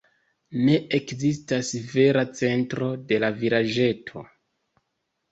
Ne ekzistas vera centro de la vilaĝeto.